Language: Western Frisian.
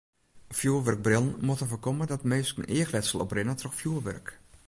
Fjoerwurkbrillen moatte foarkomme dat minsken eachletsel oprinne troch fjoerwurk.